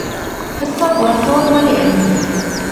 حساب ورکول ولې اړین دي؟